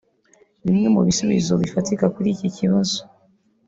Bimwe mu bisubizo bifatika kuri iki kibazo